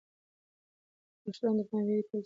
د مشرانو درناوی يې تل ساته.